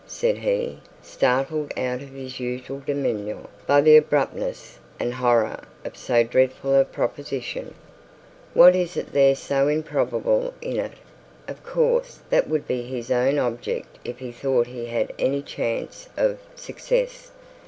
said he, startled out of his usual demeanour by the abruptness and horror of so dreadful a proposition. 'What is there so improbable in it? Of course that would be his own object if he thought he had any chance of success.